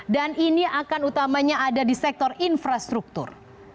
dan ini akan utamanya ada di sektor infrastruktur